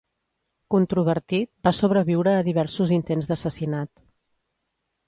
Controvertit, va sobreviure a diversos intents d'assassinat.